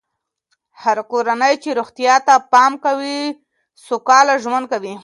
هره کورنۍ چې روغتیا ته پام کوي، سوکاله ژوند کوي.